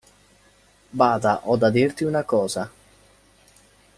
Bada ho da dirti una cosa.